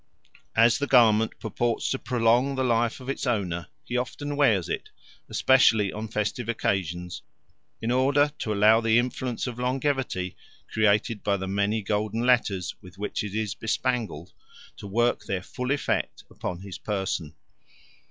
As the garment purports to prolong the life of its owner, he often wears it, especially on festive occasions, in order to allow the influence of longevity, created by the many golden letters with which it is bespangled, to work their full effect upon his person.